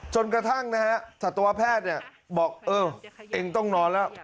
จนกระทั่งนะฮะสัตวแพทย์บอกเออเองต้องนอนแล้ว